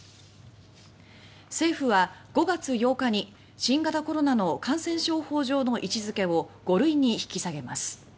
政府は５月８日に新型コロナの感染症法上の位置付けを５類に引き下げます。